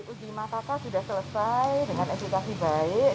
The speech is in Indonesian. uji makaka sudah selesai dengan edukasi baik